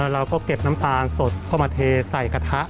เราก็เก็บน้ำตาลสดเข้ามาเทใส่กระทะ